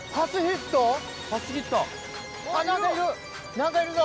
何かいるぞ！